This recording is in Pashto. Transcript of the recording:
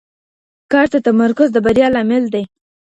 کار ته تمرکز د بریا لامل دی.